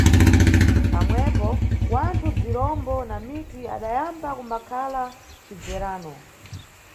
Pamwepo, wanthu, bzirombo na miti adyamba kumbakhala nʼcibverano.